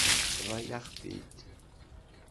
Tebḍa-yaɣ-t-id.